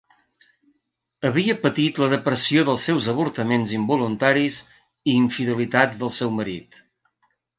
Havia patit la depressió dels seus avortaments involuntaris i infidelitats del seu marit.